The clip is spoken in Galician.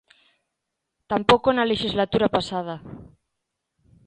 Tampouco na lexislatura pasada.